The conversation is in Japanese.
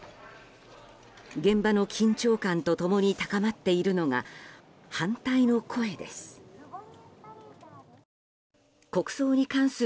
現場の緊張感と共に高まっているのが反対の声です。